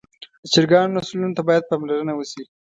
د چرګانو نسلونو ته باید پاملرنه وشي.